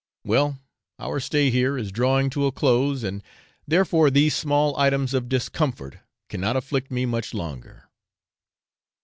Well, our stay here is drawing to a close, and therefore these small items of discomfort cannot afflict me much longer.